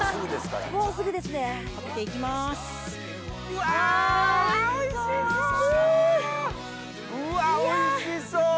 うわおいしそう！